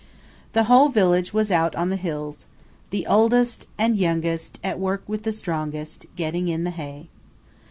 The whole village was out on the hills,– "The oldest and youngest At work with the strongest," getting in the hay.